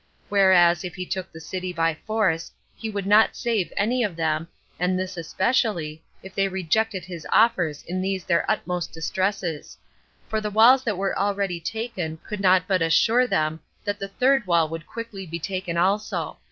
Whereas, if he took the city by force, he would not save any of them, and this especially, if they rejected his offers in these their utmost distresses; for the walls that were already taken could not but assure them that the third wall would quickly be taken also.